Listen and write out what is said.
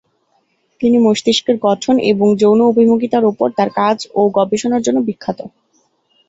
তিনি মস্তিষ্কের গঠন এবং যৌন অভিমুখিতার উপর তার কাজ ও গবেষণার জন্য বিখ্যাত।